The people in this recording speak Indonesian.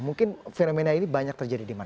mungkin fenomena ini banyak terjadi di mana